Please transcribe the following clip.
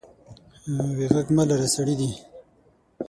وې غږ مه لره سړي دي.